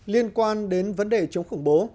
liên quan đến vấn đề chống khủng bố